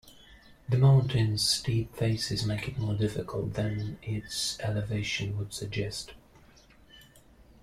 The mountain's steep faces make it more difficult than its elevation would suggest.